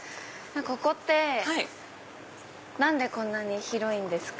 ここって何でこんなに広いんですか？